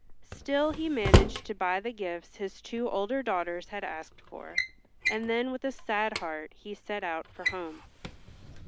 Still he managed to buy the gifts his two older daughters had asked for, and then with a sad heart he set out for home.